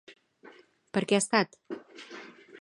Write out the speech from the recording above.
Per què ha estat?